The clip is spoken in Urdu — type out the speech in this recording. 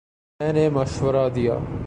میں نے مشورہ دیا